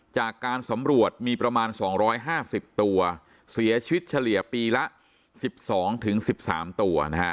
จากการสำรวจมีประมาณ๒๕๐ตัวเสียชีวิตเฉลี่ยปีละ๑๒๑๓ตัวนะฮะ